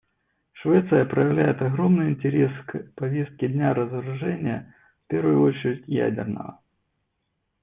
Швеция проявляет огромный интерес к повестке дня разоружения, в первую очередь ядерного.